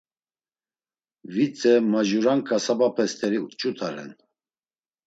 Vitze majuran k̆asabape steri çut̆a ren.